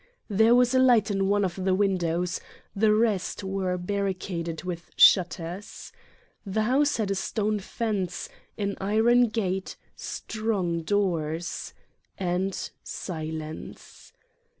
There was a light in one of the windows, the rest were barricaded with shutters. The house had a stone fence, an iron gate, strong doors. And silence.